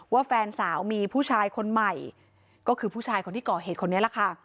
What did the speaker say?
แฟนสาวมีผู้ชายคนใหม่ก็คือผู้ชายคนที่ก่อเหตุคนนี้แหละค่ะ